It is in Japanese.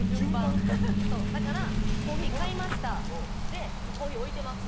だから、コーヒー買いましたコーヒー置いてます。